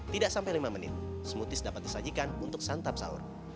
tidak sampai lima menit smoothies dapat disajikan untuk santap sahur